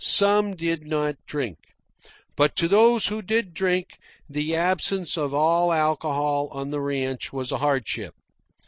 Some did not drink. But to those who did drink, the absence of all alcohol on the ranch was a hardship.